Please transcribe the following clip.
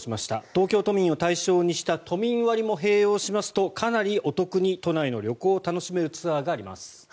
東京都民を対象にした都民割も併用しますとかなりお得に都内の旅行を楽しめるツアーがあります。